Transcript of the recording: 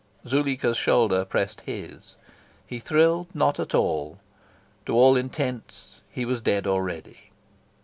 Zuleika's shoulder pressed his. He thrilled not at all. To all intents, he was dead already.